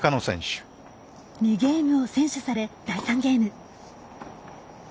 ２ゲームを先取され第３ゲーム。